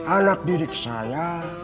anak didik saya